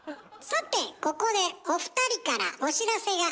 さてここでお二人からお知らせが。